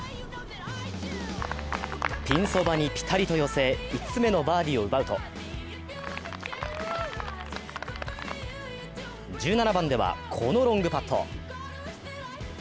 ピンそばにピタリと寄せ、５つ目のバーディーを奪うと、１７番では、このロングパット。